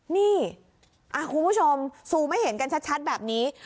นี่คุณผู้ชมซูมให้เห็นกันชัดแบบนี้